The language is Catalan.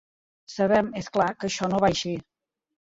Sabem, és clar, que això no va així.